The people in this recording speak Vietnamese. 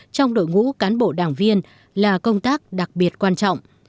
trong đội ngũ cán bộ đảng viên là công tác đặc biệt quan trọng